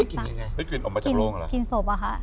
หนูได้กลิ่นยังไงเกิดกลิ่นออกมาจากโรงหรอ